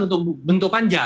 untuk bentuk panja